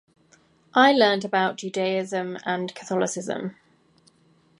I learned about both Judaism and Catholicism.